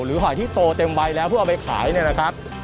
หรือหอยที่โตเต็มไว้แล้วเพื่อเอาไปขายนะครับ